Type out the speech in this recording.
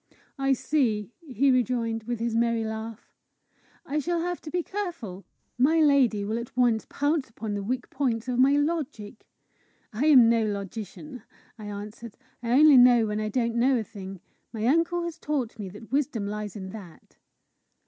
"I see," he rejoined, with his merry laugh, "I shall have to be careful! My lady will at once pounce upon the weak points of my logic!" "I am no logician," I answered; "I only know when I don't know a thing. My uncle has taught me that wisdom lies in that."